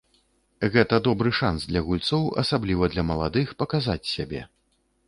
Гэта добры шанс для гульцоў, асабліва для маладых, паказаць сябе.